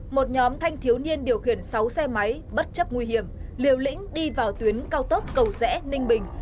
một nhóm thanh thiếu niên điều khiển sáu xe máy bất chấp nguy hiểm liều lĩnh đi vào tuyến cao tốc cầu rẽ ninh bình